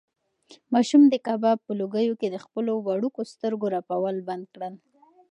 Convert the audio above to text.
ماشوم د کباب په لوګیو کې د خپلو وړوکو سترګو رپول بند کړل.